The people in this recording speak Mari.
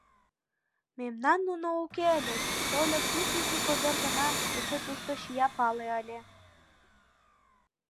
Мемнан нуно уке ыльыч, тольык ик изи ковёр гына, эше тушто чия пале ыле.